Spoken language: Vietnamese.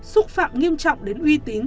xúc phạm nghiêm trọng đến uy tín